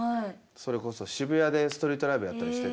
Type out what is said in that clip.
それこそ渋谷でストリートライブやったりしてて。